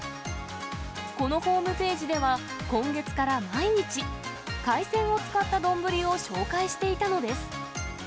このホームページでは、今月から毎日、海鮮を使った丼を紹介していたのです。